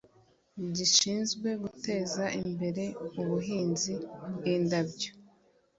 gishinzwe guteza imbere ubuhinzi bw indabyo